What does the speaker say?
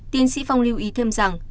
tiến sĩ phong lưu ý thêm rằng